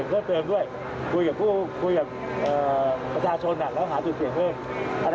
คุยกับประชาชนนะและหาจุดเสี่ยงเพิ่ม